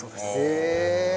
へえ。